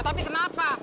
ya tapi kenapa